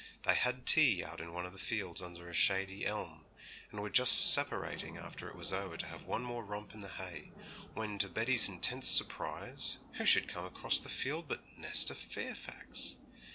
They had tea out in one of the fields under a shady elm, and were just separating after it was over to have one more romp in the hay, when, to Betty's intense surprise, who should come across the field but Nesta Fairfax!